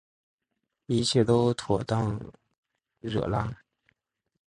一切都妥当惹拉